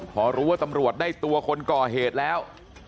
พอรู้ว่าตำรวจได้ตัวคนก่อเหตุแล้ว